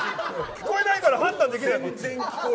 聞こえないから判断できない。